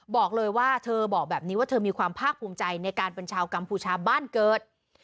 บอกเลยว่าเธอบอกแบบนี้ว่าเธอมีความภาคภูมิใจในการเป็นชาวกัมพูชาบ้านเกิด